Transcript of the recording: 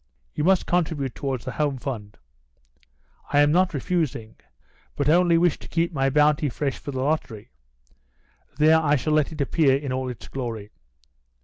"You must contribute towards the Home fund." "I am not refusing, but only wish to keep my bounty fresh for the lottery. There I shall let it appear in all its glory."